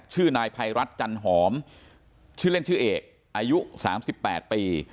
ชื่อนายภัยรัฐจันหอมชื่อเล่นชื่อเอกอายุ๓๘ปี